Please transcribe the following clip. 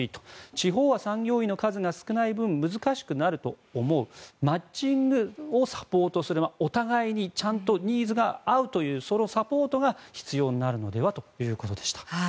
地方は産業医の数が少ない分難しくなると思うマッチングをサポートするお互いにニーズがちゃんと合うというそのサポートが必要になるのではということでした。